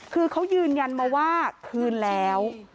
คือเขายืนยันมาว่าคืนแล้ว